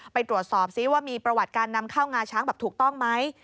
ไปตรวจสอบซิว่ามีประวัติการนำเข้างาช้างแบบถูกต้องไหม